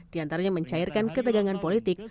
diantaranya mencairkan ketegangan politik